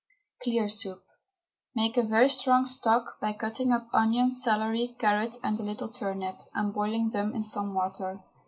CLEAR SOUP. Make a very strong stock by cutting up onion, celery, carrot, and a little turnip, and boiling them in some water.